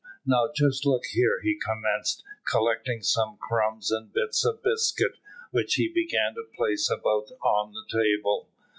"Now just look here," he commenced, collecting some crumbs and bits of biscuit, which he began to place about on the table.